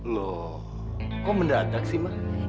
loh kok mendadak sih mak